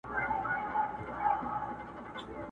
زما پر تور قسمت باندي باغوان راسره وژړل،